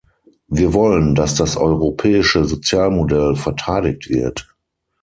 Wir wollen, dass das europäische Sozialmodell verteidigt wird.